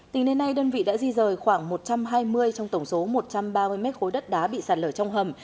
tính đến nay đơn vị đã di rời khoảng một trăm hai mươi trong tổng số một trăm ba mươi mét khối đất đá bị sạt lở trong hầm